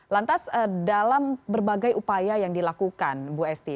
lantas dalam berbagai upaya yang dilakukan bu esti